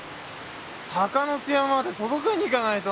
鷹ノ巣山まで届けに行かないと。